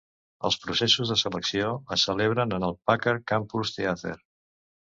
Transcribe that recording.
Els processos de selecció es celebren en el Packard Campus Theater.